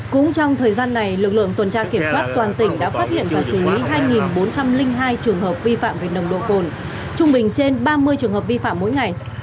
cũng trong thời gian này lực lượng tuần tra kiểm soát toàn tỉnh đã phát hiện và xử lý hai bốn trăm linh hai trường hợp vi phạm về nồng độ cồn trung bình trên ba mươi trường hợp vi phạm mỗi ngày